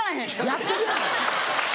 やってるやん！